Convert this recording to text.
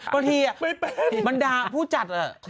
บางทีมันด่าผู้จัด